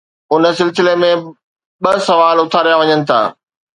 ان سلسلي ۾ ٻه سوال اٿاريا وڃن ٿا.